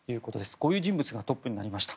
こういう人物がトップになりました。